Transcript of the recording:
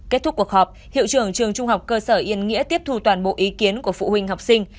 kết thúc cuộc họp hiệu trưởng trường trung học cơ sở yên nghĩa tiếp thu toàn bộ ý kiến của phụ huynh học sinh